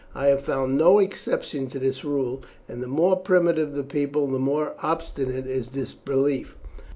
I have found no exception to this rule, and the more primitive the people the more obstinate is this belief.